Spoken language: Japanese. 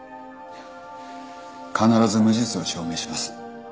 必ず無実を証明します